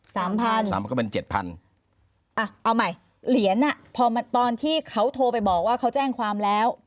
สามพันสามพันก็เป็นเจ็ดพันอ่ะเอาใหม่เหรียญอ่ะพอตอนที่เขาโทรไปบอกว่าเขาแจ้งความแล้ว